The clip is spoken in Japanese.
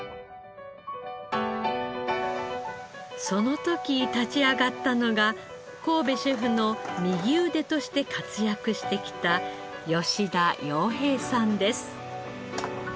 その時立ち上がったのが神戸シェフの右腕として活躍してきた吉田洋平さんです。